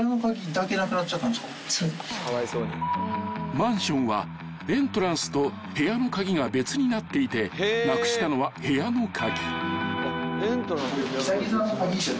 ［マンションはエントランスと部屋の鍵が別になっていてなくしたのは部屋の鍵］